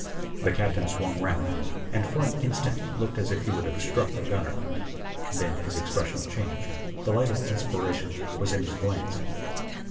The Captain swung round, and for an instant looked as if he would have struck the gunner. Then his expression changed: the light of inspiration Was in his glance.